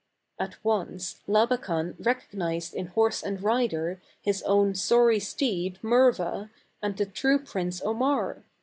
At once Labakan recognized in horse and rider his own sorry steed, Murva, and the true prince, Omar.